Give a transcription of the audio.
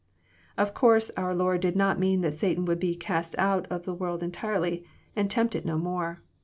Of course our Lord did not mean that Satan would be *^ cast out " of this world entirely, and tempt it no more.